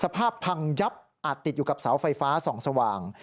สภาพพังยับอาจติดอยู่กับเสาไฟฟ้าส่องสว่าง